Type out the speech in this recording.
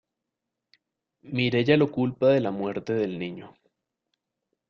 Mireya lo culpa de la muerte del niño.